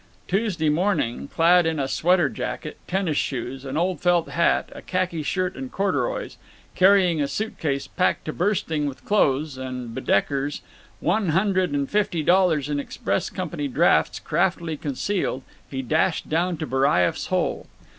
Tuesday morning, clad in a sweater jacket, tennis shoes, an old felt hat, a khaki shirt and corduroys, carrying a suit case packed to bursting with clothes and Baedekers, with one hundred and fifty dollars in express company drafts craftily concealed, he dashed down to Baraieff's hole.